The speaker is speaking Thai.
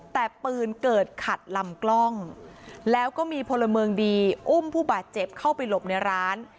แต่ปืนเกิดขัดลำกล้องแล้วก็มีพลเมืองดีอุ้มผู้บาดเจ็บเข้าไปหลบในร้าน